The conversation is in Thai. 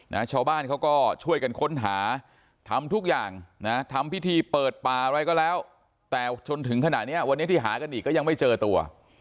ชาวบ้านเขาก็ช่วยกันค้นหาทำทุกอย่างนะทำพิธีเปิดป่าอะไรก็แล้วแต่จนถึงขณะเนี้ยวันนี้ที่หากันอีกก็ยังไม่เจอตัว